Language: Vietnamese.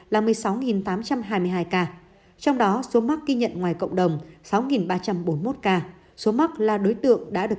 là một mươi sáu tám trăm hai mươi hai ca trong đó số mắc ghi nhận ngoài cộng đồng sáu ba trăm bốn mươi một ca số mắc là đối tượng đã được